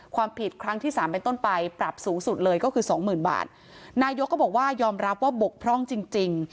ความผิดครั้งที่สามเป็นต้นไปปรับสูงสุดเลยก็คือสองหมื่นบาทนายกก็บอกว่ายอมรับว่าบกพร่องจริงจริง